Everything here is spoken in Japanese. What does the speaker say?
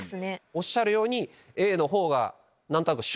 おっしゃるように。